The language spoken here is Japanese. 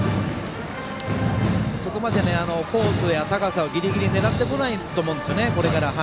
そこまでコースや高さをギリギリ狙ってこないと思うんですね、これから。